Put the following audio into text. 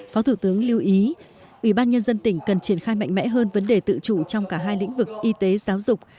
phó thủ tướng lưu ý ủy ban nhân dân tỉnh cần triển khai mạnh mẽ hơn vấn đề tự chủ trong cả hai lĩnh vực y tế giáo dục